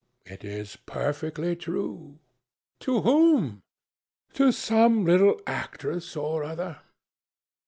"It is perfectly true." "To whom?" "To some little actress or other."